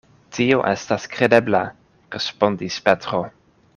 Tio estas kredebla, respondis Petro.